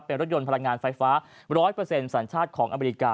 เป็นรถยนต์พลังงานไฟฟ้า๑๐๐สัญชาติของอเมริกา